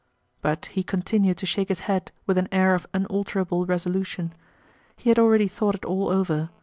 But he continued to shake his head with an air of unalterable resolution. He had already thought it all over.